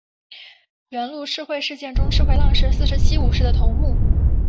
元禄赤穗事件中赤穗浪士四十七武士的头目。